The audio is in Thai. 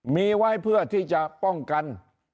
มีไว้เพื่อที่จะป้องกัน